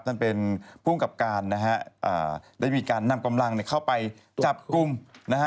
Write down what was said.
ท่านเป็นภูมิกับการนะฮะอ่าได้มีการนำกำลังเข้าไปจับกลุ่มนะฮะ